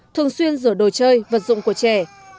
thường xuyên rửa đồ chơi vật dụng của trẻ